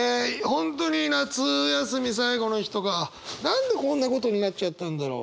本当に夏休み最後の日とか何でこんなことになっちゃったんだろう。